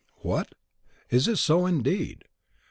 What! is it so, indeed!